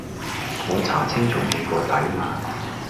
我查清楚你個底啦